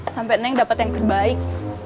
sampai neng dapat yang terbaik